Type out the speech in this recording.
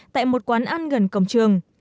tại một quán ăn gần cổng trường